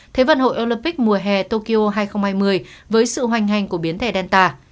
thế vận hội olympic mùa hè tokyo hai nghìn hai mươi với sự hoành hành của biến thể danta